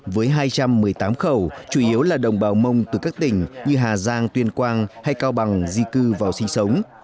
với hai trăm một mươi tám khẩu chủ yếu là đồng bào mông từ các tỉnh như hà giang tuyên quang hay cao bằng di cư vào sinh sống